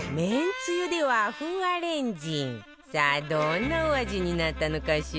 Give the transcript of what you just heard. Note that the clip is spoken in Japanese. さあどんなお味になったのかしら？